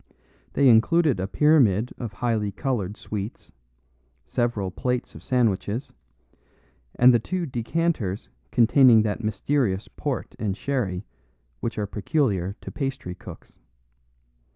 They included a pyramid of highly coloured sweets, several plates of sandwiches, and the two decanters containing that mysterious port and sherry which are peculiar to pastry cooks.